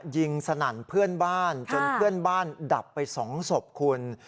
สนั่นเพื่อนบ้านจนเพื่อนบ้านดับไป๒ศพคุณ